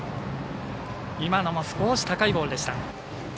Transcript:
今のも少し高いボールでした。